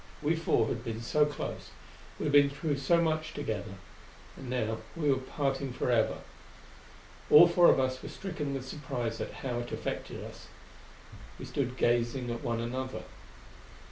We four had been so close; we had been through so much together; and now we were parting forever. All four of us were stricken with surprise at how it affected us. We stood gazing at one another.